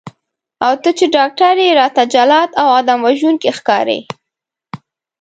او ته چې ډاکټر یې راته جلاد او آدم وژونکی ښکارې.